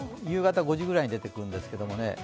夕方５時ぐらいに出てくるんですけどね